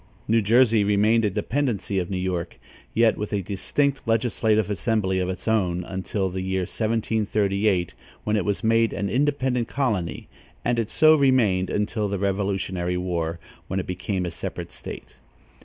New Jersey remained a dependency of New York, yet with a distinct legislative assembly of its own, until the year 1738, when it was made an independent colony, and it so remained until the Revolutionary War, when it became a separate State.